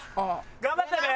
頑張ってね！